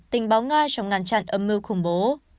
tình báo nga trong ngăn chặn âm mưu khủng bố